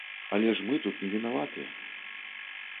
Але ж мы тут не вінаватыя!